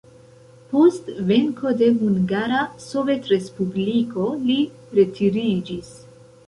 Post venko de Hungara Sovetrespubliko li retiriĝis.